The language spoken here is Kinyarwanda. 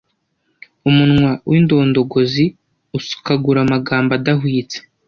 umunwa w'indondogozi usukagura amagambo adahwitse